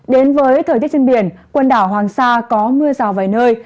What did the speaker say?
đến với thời tiết trên biển quần đảo hoàng sa có mưa rào vài nơi